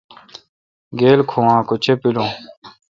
گیل کھوناں کہ چے° پِلون؟